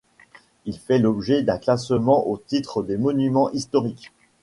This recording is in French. Il fait l'objet d'un classement au titre des monuments historiques.